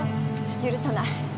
許さない。